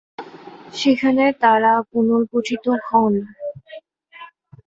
সেখানে তারা পুনর্গঠিত হন।